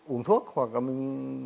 uống thuốc hoặc là mình